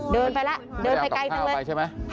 เดินไปแล้วเดินไปใกล้นิดหนึ่ง